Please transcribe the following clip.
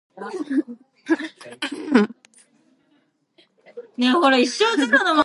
Various linishing and buffing processes are used in preparing components for decorative chrome plating.